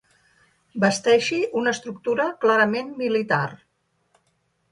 Basteixi una estructura clarament militar.